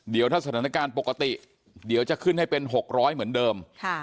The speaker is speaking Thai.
เดี๋ยวถ้าสถานการณ์ปกติเดี๋ยวจะขึ้นให้เป็น๖๐๐เหมือนเดิม